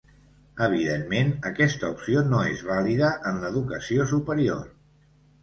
Evidentment, aquesta opció no és vàlida en l'Educació Superior.